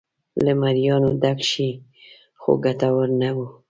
له مریانو ډک شي خو ګټور نه و.